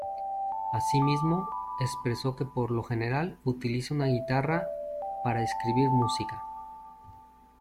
Asimismo, expresó que por lo general utiliza una guitarra para escribir música.